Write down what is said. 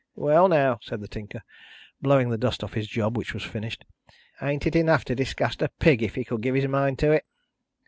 "Well now," said the Tinker, blowing the dust off his job: which was finished. "Ain't it enough to disgust a pig, if he could give his mind to it?"